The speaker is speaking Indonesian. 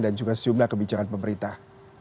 dan juga sejumlah kebijakan pemerintah